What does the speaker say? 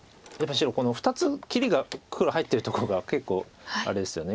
この２つ切りが黒入ってるところが結構あれですよね